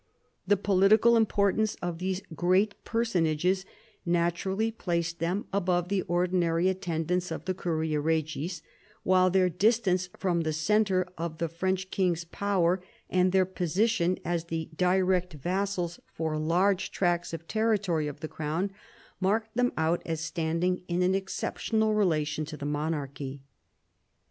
The political im portance of these great personages naturally placed them above the ordinary attendants of the curia regis, while their distance from the centre of the French king's power, and their position as the direct vassals, for large 138 PHILIP AUGUSTUS chap. tracts of territory, of the crown, marked them out as standing in an exceptional relation to the monarchy.